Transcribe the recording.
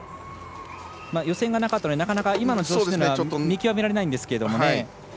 予選がなかったのでなかなか今の調子が見極められないんですけどね。